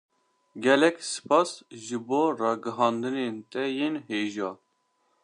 Gelek spas ji bo ragihandinên te yên hêja